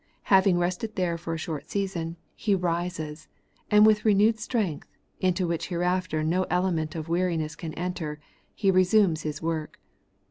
Having rested there for a short season. He rises ; and with renewed strength, into which hereafter no element of weariness can enter. He resumes His work.